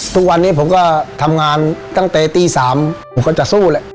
ทุกวันนี้ผมก็ทำงานตั้งแต่ตี๓ผมก็จะสู้แหละ